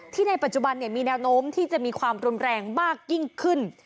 ในปัจจุบันมีแนวโน้มที่จะมีความรุนแรงมากยิ่งขึ้น